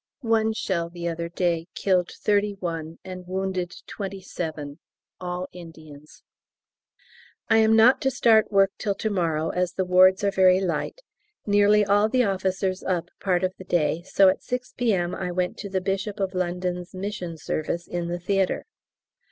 One shell the other day killed thirty one and wounded twenty seven all Indians. I am not to start work till to morrow, as the wards are very light; nearly all the officers up part of the day, so at 6 P.M. I went to the Bishop of London's mission service in the theatre.